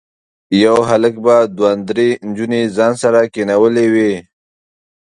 یو هلک به دوه درې نجونې ځان سره کېنولي وي.